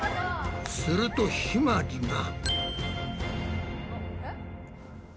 するとひまりが。